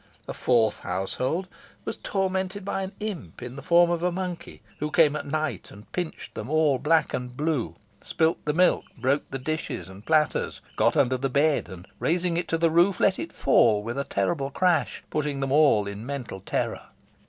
A fourth household was tormented by an imp in the form of a monkey, who came at night and pinched them all black and blue, spilt the milk, broke the dishes and platters, got under the bed, and, raising it to the roof, let it fall with a terrible crash; putting them all in mental terror.